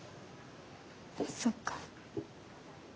そっか。